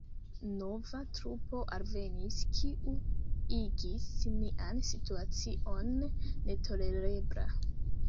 Nova trupo alvenis, kiu igis nian situacion netolerebla.